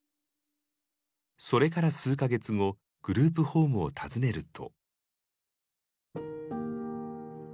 それから数か月後グループホームを訪ねると。